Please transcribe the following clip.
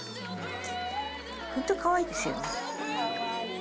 本当、かわいいですよね。